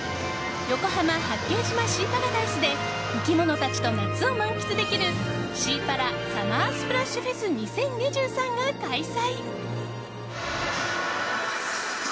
横浜・八景島シーパラダイスで生き物たちと夏を満喫できるシーパラサマースプラッシュフェス２０２３が開催。